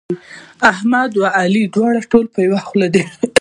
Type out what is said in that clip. احمد او علي دوی ټول په يوه خوله دي.